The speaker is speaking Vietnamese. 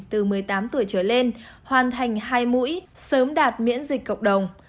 từ một mươi tám tuổi trở lên hoàn thành hai mũi sớm đạt miễn dịch cộng đồng